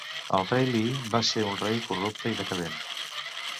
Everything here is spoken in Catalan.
El Rei Li va ser un rei corrupte i decadent.